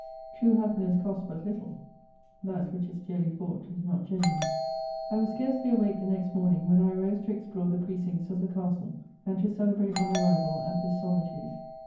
True happiness costs but little ; that which is dearly bought is not genuine. I was scarcely awake the next morning, when I arose to explore the precincts of the castle, and to celebrate my arrival at this solitude.